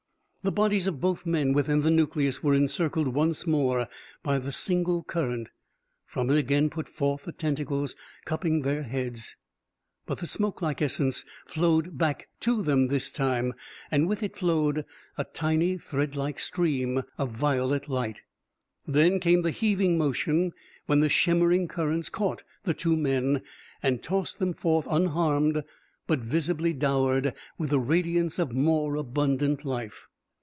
The bodies of both men within the nucleus were encircled once more by the single current. From it again put forth the tentacles, cupping their heads, but the smokelike essence flowed back to them this time, and with it flowed a tiny threadlike stream of violet light. Then came the heaving motion when the shimmering currents caught the two men and tossed them forth unharmed but visibly dowered with the radiance of more abundant life.